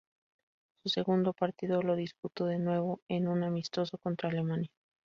Su segundo partido lo disputó de nuevo en un amistoso contra Alemania.